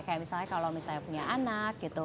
kayak misalnya kalau misalnya punya anak gitu